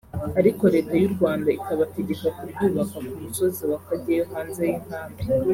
ariko Leta y’u Rwanda ikabategeka kuryubaka ku musozi wa Kageyo hanze y’inkambi